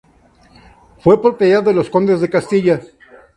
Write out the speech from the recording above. Fue propiedad de los condes de Castilla.